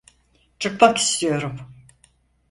Çıkmak istiyorum.